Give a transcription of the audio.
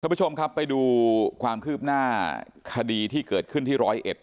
ท่านผู้ชมครับไปดูความคืบหน้าคดีที่เกิดขึ้นที่๑๐๑